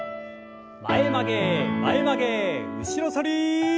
前曲げ前曲げ後ろ反り。